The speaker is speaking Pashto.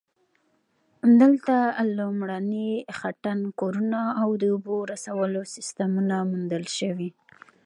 دلته لومړني خټین کورونه او د اوبو رسولو سیستمونه موندل شوي